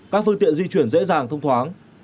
các phương tiện di chuyển dễ dàng thông thoáng